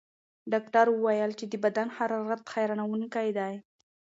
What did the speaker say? ډاکټره وویل چې د بدن حرارت حیرانوونکی دی.